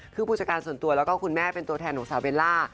คือผู้จัดการส่วนตัวแล้วก็คุณแม่เป็นตัวแทนของสาวเบลล่า